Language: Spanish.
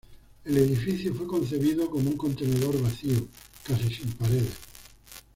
El edificio fue concebido como un contenedor vacío, casi sin paredes.